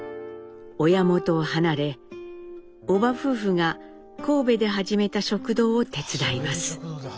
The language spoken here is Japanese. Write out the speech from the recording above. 親元を離れ叔母夫婦が神戸で始めた食堂を手伝います。